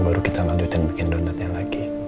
baru kita lanjutin bikin donatnya lagi